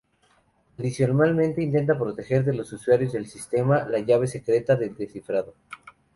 Adicionalmente intenta proteger de los usuarios del sistema la llave secreta de descifrado.